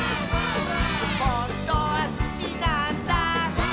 「ほんとはすきなんだ」